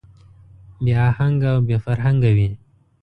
بې اهنګه او بې فرهنګه وي.